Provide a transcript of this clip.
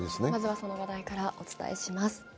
その話題からお伝えします。